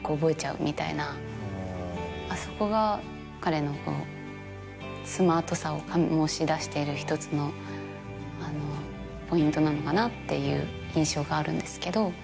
あそこが彼のスマートさを醸し出しているひとつのポイントなのかなっていう印象があるんですけど。